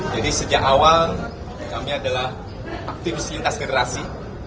jadi sejak awal kami adalah aktivis kintas generasi